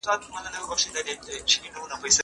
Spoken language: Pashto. په لاس خط لیکل د مشرانو د درناوي ښودلو وسیله ده.